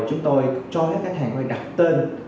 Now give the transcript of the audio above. chúng tôi cho các khách hàng đặt tên